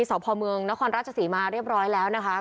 สพเมืองนครราชศรีมาเรียบร้อยแล้วนะคะ